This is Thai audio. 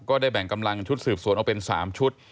ได้แบ่งกำลังชุดสืบสวนออกเป็น๓ชุด